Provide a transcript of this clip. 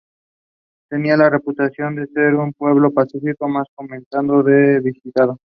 Tenía la reputación de ser un "pueblo" pacífico, más comentado que visitado.